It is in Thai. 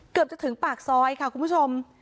เกือบจะถึงปากซอยค่ะคุณผู้ชม